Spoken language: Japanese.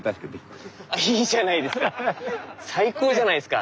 いいじゃないですか。